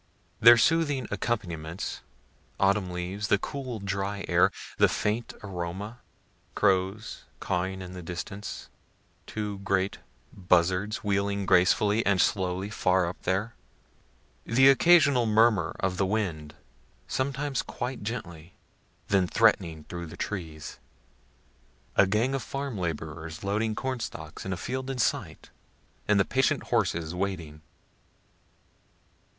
Their soothing accompaniments, autumn leaves, the cool dry air, the faint aroma crows cawing in the distance two great buzzards wheeling gracefully and slowly far up there the occasional murmur of the wind, sometimes quite gently, then threatening through the trees a gang of farm laborers loading cornstalks in a field in sight, and the patient horses waiting.